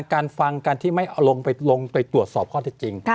การฟังการที่ไม่เอาลงไปตรวจสอบข้อเท็จจริง